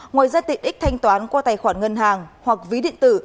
ngoài ra tiện ích thanh toán qua tài khoản ngân hàng hoặc ví điện tử